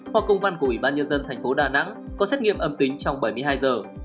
hoặc công văn của ủy ban nhân dân thành phố đà nẵng có xét nghiệm âm tính trong bảy mươi hai giờ